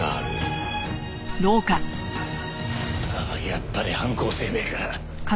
やっぱり犯行声明か。